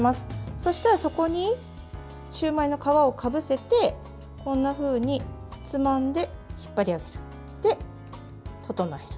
そうしたら、そこにシューマイの皮をかぶせてこんなふうにつまんで引っ張り上げる。